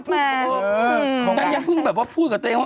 คงไม่รู้มันยังพึ่งแบบว่าพูดกับตัวเองว่า